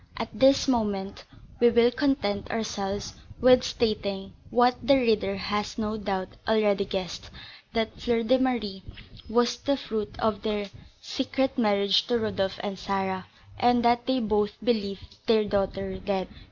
At this moment, we will content ourselves with stating, what the reader has no doubt already guessed, that Fleur de Marie was the fruit of the secret marriage of Rodolph and Sarah, and that they both believed their daughter dead.